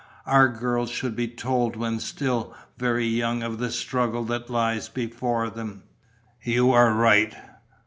"Our girls should be told when still very young of the struggle that lies before them." "You are right.